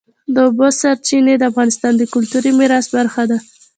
د اوبو سرچینې د افغانستان د کلتوري میراث برخه ده.